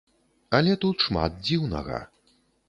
Але тут шмат дзіўнага.